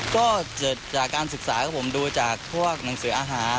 ก็เกิดจากการศึกษาครับผมดูจากพวกหนังสืออาหาร